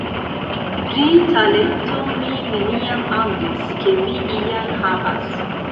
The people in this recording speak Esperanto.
Pri talento mi neniam aŭdis, ke vi ian havas...